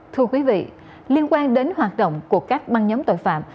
thưa quý vị liên quan đến hoạt động của các băng nhóm tội phạm